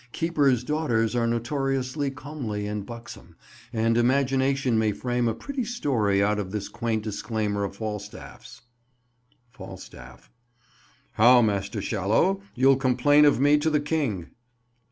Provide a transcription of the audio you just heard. Keeper's daughters are notoriously comely and buxom, and imagination may frame a pretty story out of this quaint disclaimer of Falstaff's— Falstaff. How, Master Shallow, you'll complain of me to the king?